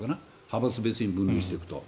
派閥別に分類していくと。